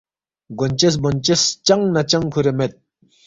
گونچس بونچس چنگ نہ چنگ کُھورے مید